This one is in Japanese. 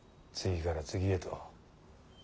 次から次へと。